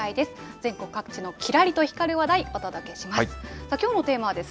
全国各地のきらりと光る話題、お届けします。